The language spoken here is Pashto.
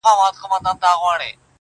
تمدن او تاریخي افتخاراتو مرکز -